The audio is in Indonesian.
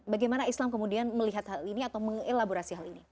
bagaimana islam kemudian melihat hal ini atau mengelaborasi hal ini